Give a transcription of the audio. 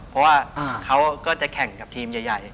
เพราะว่าเขาก็จะแข่งกับทีมใหญ่